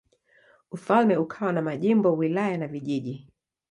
Ufalme ukawa na majimbo, wilaya na vijiji.